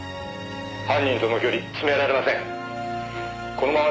「犯人との距離詰められません」